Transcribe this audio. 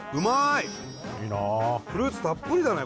フルーツたっぷりだね